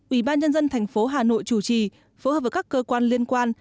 ủy ban nhân dân thành phố hà nội chủ trì phối hợp với các cơ quan liên quan